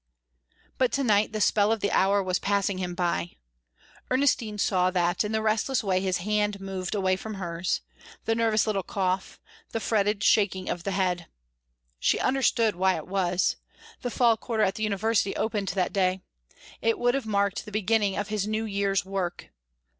But to night the spell of the hour was passing him by. Ernestine saw that in the restless way his hand moved away from hers, the nervous little cough, the fretted shaking of the head. She understood why it was; the fall quarter at the university opened that day. It would have marked the beginning of his new year's work.